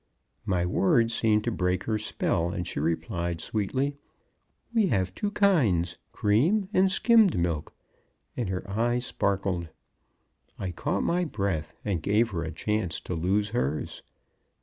My words seemed to break her spell, and she replied sweetly, "We have two kinds cream and skimmed milk." And her eyes sparkled. I caught my breath and gave her a chance to lose hers.